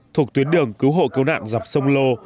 thuộc tuyến đường cứu hộ cứu nạn dọc sông lô